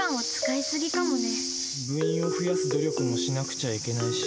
部員を増やす努力もしなくちゃいけないし。